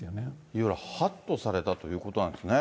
いわゆるはっとされたということなんですね。